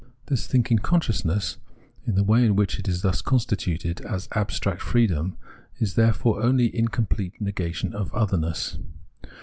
This thinking consciousness, in the way in which it is thus constituted, as abstract freedom, is therefore only incomplete negation of otherness.